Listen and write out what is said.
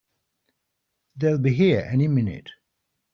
They'll be here any minute!